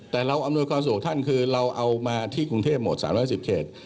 แต่เราอำนวยความสุขของท่านคือเราเอามาที่กรุงเทพหมด๓๑๐เขต